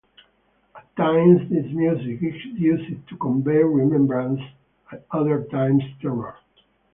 At times this music is used to convey remembrance, at other times terror.